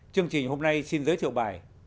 chương trình hôm nay xin giới thiệu bài